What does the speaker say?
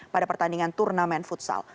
pada pertandingan turnamen futsal